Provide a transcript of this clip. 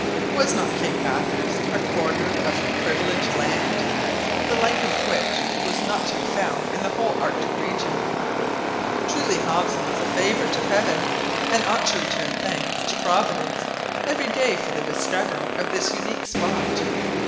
Was not Cape Bathurst a corner of a privileged land, the like of which was not to be found in the whole Arctic regions? Truly Hobson was a favourite of Heaven, and ought to return thanks to Providence every day for the discovery of this unique spot.